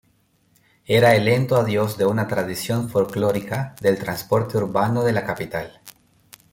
Era el lento adiós de una tradición "folclórica" del transporte urbano de la capital.